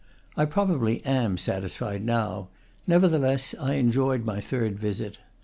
I probably am satisfied now; neverthe less, I enjoyed my third visit.